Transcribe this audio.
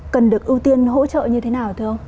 cần được ưu tiên hỗ trợ như thế nào thưa ông